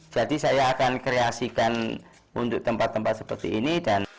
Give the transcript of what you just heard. jadi saya akan kreasikan untuk tempat tempat seperti ini